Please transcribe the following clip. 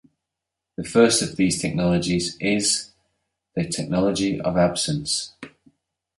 The first of these technologies is... the technology of absence.